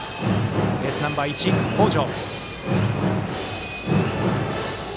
エースナンバー１、北條。